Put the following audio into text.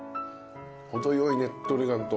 程よいねっとり感と。